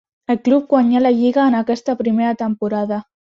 El club guanyà la lliga en aquesta primera temporada.